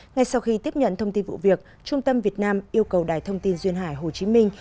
ngay sau khi tiếp nhận thông tin vụ việc trung tâm việt nam yêu cầu đài thông tin duyên hải hồ chí minh